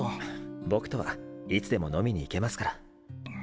僕とはいつでも飲みに行けますから。